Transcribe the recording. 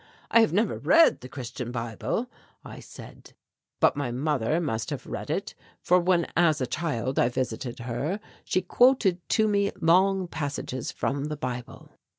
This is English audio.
'I have never read the Christian Bible,' I said, 'but my mother must have read it for when as a child I visited her she quoted to me long passages from the Bible.'